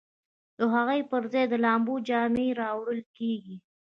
د هغو پر ځای د لامبو جامې راوړل کیږي